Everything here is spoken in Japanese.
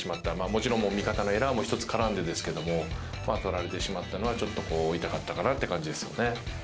もちろん味方のエラーもひとつ絡んでですけれども、取られてしまったのはちょっと痛かったかなって感じですよね。